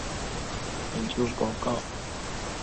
其间写出十余篇调研报告。